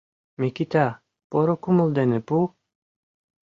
Микита, поро кумыл дене пу.